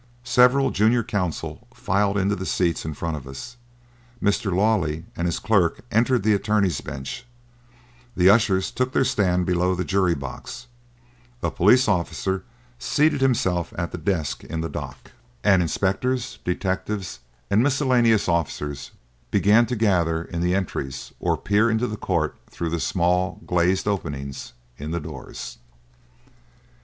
Several junior counsel filed into the seats in front of us; Mr. Lawley and his clerk entered the attorney's bench; the ushers took their stand below the jury box; a police officer seated himself at a desk in the dock; and inspectors, detectives and miscellaneous officers began to gather in the entries or peer into the court through the small glazed openings in the doors.